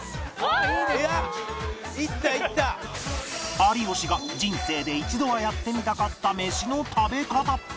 有吉が人生で一度はやってみたかったメシの食べ方